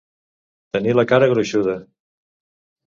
Tenir la cara gruixuda.